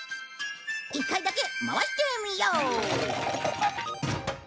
１回だけ回してみよう。